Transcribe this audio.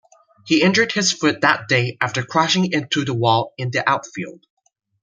He injured his foot that day after crashing into the wall in the outfield.